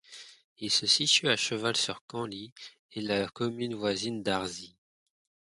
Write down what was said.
Il se situe à cheval sur Canly et la commune voisine d'Arsy.